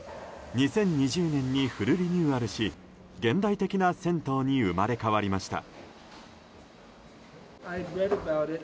２０２０年にフルリニューアルし現代的な銭湯に生まれ変わりました。